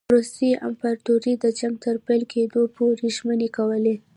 روسي امپراطوري د جنګ تر پیل کېدلو پوري ژمنې کولې.